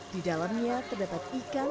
di dalamnya terdapat isu yang berbeda dengan kita